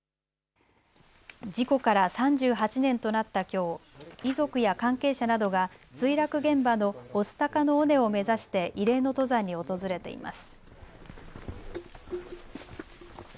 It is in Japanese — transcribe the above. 事故から３８年となったきょう遺族や関係者などが墜落現場の御巣鷹の尾根を目指して慰霊の登山に訪れています。